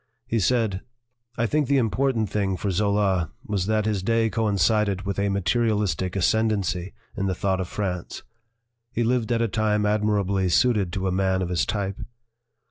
He said : "I think the important thing for Zola was that his day coincided with a materialistic ascendency in the thought of France. He lived at a time ad mirably suited to a man of his type.